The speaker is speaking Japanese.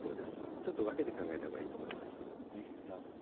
ちょっと分けて考えたほうがいいと思います。